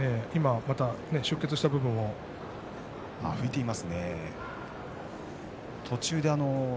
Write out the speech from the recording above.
出血した部分も増えています。